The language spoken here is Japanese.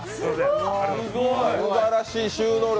すばらしい収納力。